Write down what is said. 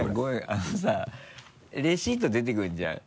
あのさレシート出てくるじゃん。